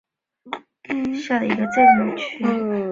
赖恩镇区为美国堪萨斯州索姆奈县辖下的镇区。